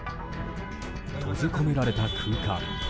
閉じ込められた空間。